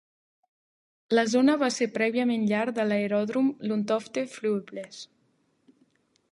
La zona va ser prèviament llar de l'aeròdrom Lundtofte Flyveplads.